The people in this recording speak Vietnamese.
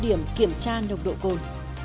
điểm kiểm tra độc độ cồn